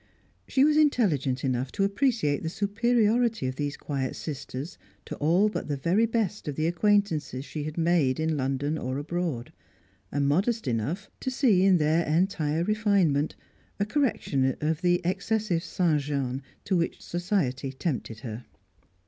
She was intelligent enough to appreciate the superiority of these quiet sisters to all but the very best of the acquaintances she had made in London or abroad, and modest enough to see in their entire refinement a correction of the excessive sans gene to which society tempted her.